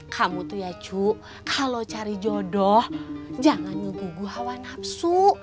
kamu tuh ya cu kalau cari jodoh jangan nyuguh guguh hawa nafsu